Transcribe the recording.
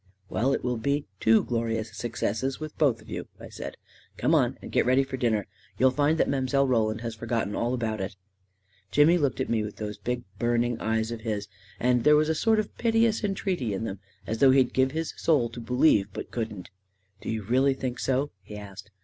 " Well, it will be two glorious successes with both of you," I said. " Come on and get ready for r dinner. You'll find that Mile. Roland has for gotten all about it !" Jimmy looked at me with those big, burning eyes A KING IN BABYLON 7* * of his, and there was a sort of piteous entreaty in them, as though he'd give his soul to believe, but couldn't ^" Do you really think so? " he asked.